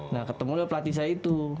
nah ketemu pelatih saya itu